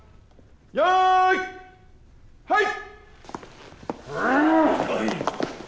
よいはい！